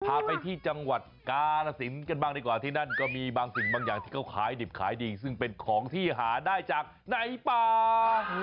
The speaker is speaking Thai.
พาไปที่จังหวัดกาลสินกันบ้างดีกว่าที่นั่นก็มีบางสิ่งบางอย่างที่เขาขายดิบขายดีซึ่งเป็นของที่หาได้จากไหนป่า